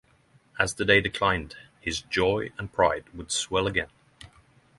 As the day declined his joy and pride would swell again.